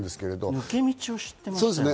抜け道を知っていますよね。